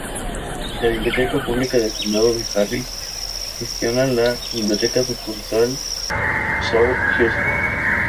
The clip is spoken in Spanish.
La Biblioteca Pública del Condado de Harris gestiona la Biblioteca Sucursal South Houston.